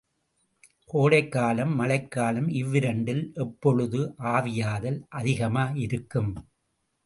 கோடைக்காலம், மழைக்காலம் இவ்விரண்டில் எப்பொழுது ஆவியாதல் அதிகமிருக்கும்?